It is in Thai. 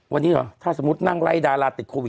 วันนี้เหรอถ้าสมมุตินั่งไล่ดาราติดโควิด